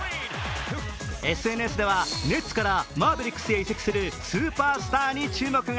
ＳＮＳではネッツからマーベリックスへ移籍するスーパースターに注目が。